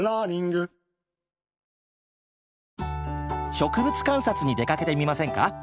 植物観察に出かけてみませんか？